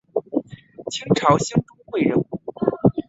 清朝兴中会人物。